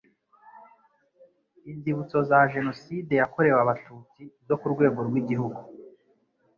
inzibutso za jenoside yakorewe abatutsi zo ku rwego rw igihugu